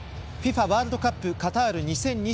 ＦＩＦＡワールドカップカタール２０２２１